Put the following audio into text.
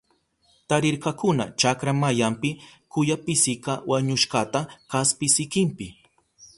Tarirkakuna chakra mayanpi kuyapisika wañushkata kaspi sikinpi.